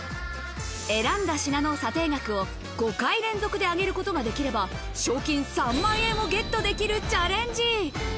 選んだ品の査定額を５回連続で上げることができれば賞金３万円をゲットできるチャレンジ。